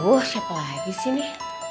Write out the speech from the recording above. wuh siapa lagi sih ini